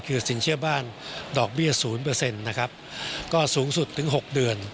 คือสินเชื่อบ้านดอกเบี้ย๐นะครับก็สูงสุดถึง๖เดือน